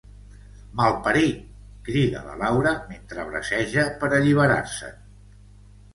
Malparit! —crida la Laura, mentre braceja per alliberar-se'n.